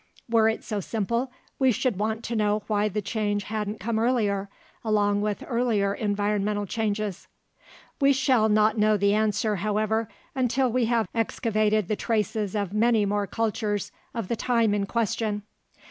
Were it so simple, we should want to know why the change hadn't come earlier, along with earlier environmental changes. We shall not know the answer, however, until we have excavated the traces of many more cultures of the time in question.